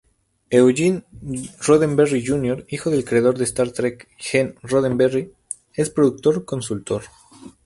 Eugene Roddenberry Jr., hijo del creador de Star Trek Gene Roddenberry, es productor consultor.